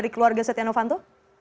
keluarga setia novanto